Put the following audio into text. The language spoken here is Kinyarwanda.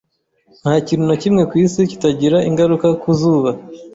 Nta kintu na kimwe ku isi kitagira ingaruka ku zuba.